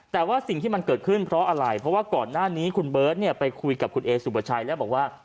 แต่ว่าสิ่งที่มันเกิดขึ้นเพราะอะไรเพราะว่าก่อนหน้านี้คุณเบิร์ตไปคุยกับคุณเอสุปชัยแล้วบอกว่า